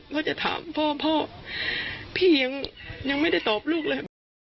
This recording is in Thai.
ว่าจะถามพ่อพ่อพี่ยังไม่ได้ตอบลูกเลย